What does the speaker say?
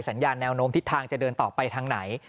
สัญญาแนวโน้มทิศทางจะเดินต่อไปทางไหน